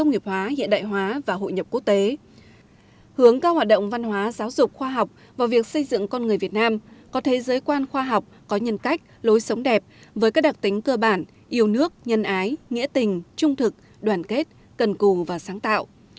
giáo dục khoa học và việc xây dựng con người việt nam có thế giới quan khoa học có nhân cách lối sống đẹp với các đặc tính cơ bản yêu nước nhân ái nghĩa tình trung thực đoàn kết cần cù và sáng tạo